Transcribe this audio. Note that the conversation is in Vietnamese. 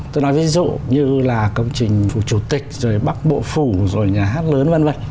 tôi nói ví dụ như là công trình phủ chủ tịch rồi bắc bộ phủ rồi nhà hát lớn v v